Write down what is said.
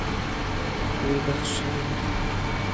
Wî bexşand.